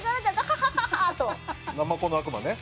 ナマコの悪魔ね。